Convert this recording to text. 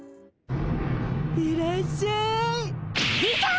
いらっしゃい。出た！